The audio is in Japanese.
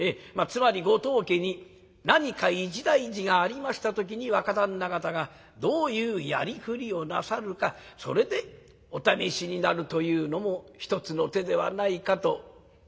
つまりご当家に何か一大事がありました時に若旦那方がどういうやりくりをなさるかそれでお試しになるというのも一つの手ではないかと」。